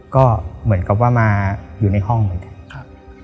ก็เหมือนกับว่ามาอยู่ในห้องเหมือนกันครับ